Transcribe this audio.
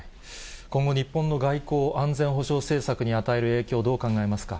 今後、日本の外交・安全保障政策に与える影響、どう考えますか。